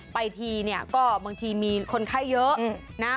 ไปทีเนี่ยก็บางทีมีคนไข้เยอะนะ